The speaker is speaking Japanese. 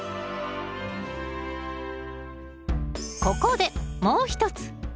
ここでもう一つ。